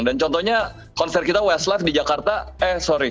dan contohnya konser kita westlife di jakarta eh sorry